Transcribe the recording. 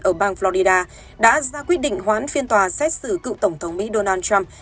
ở bang florida đã ra quyết định hoãn phiên tòa xét xử cựu tổng thống mỹ donald trump